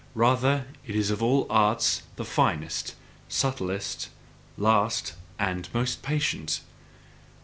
Rather is it of all arts the finest, subtlest, last and patientest.